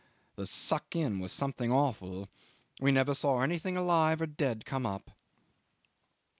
The suck in was something awful. We never saw anything alive or dead come up."